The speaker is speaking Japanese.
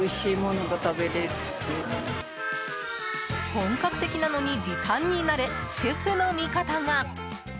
本格的なのに時短になる主婦の味方が。